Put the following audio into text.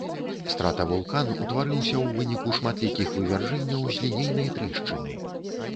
Стратавулкан утварыўся ў выніку шматлікіх вывяржэнняў з лінейнай трэшчыны.